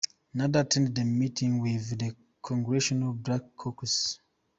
Nader attended a meeting with the Congressional Black Caucus.